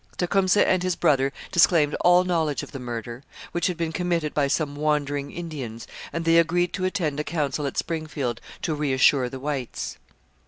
Tecumseh and his brother disclaimed all knowledge of the murder, which had been committed by some wandering Indians, and they agreed to attend a council at Springfield to reassure the whites.